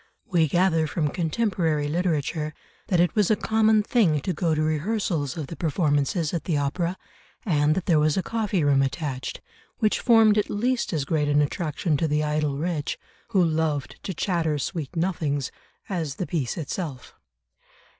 We gather from contemporary literature that it was a common thing to go to rehearsals of the performances at the opera, and that there was a coffee room attached, which formed at least as great an attraction to the idle rich, who loved to chatter sweet nothings, as the piece itself.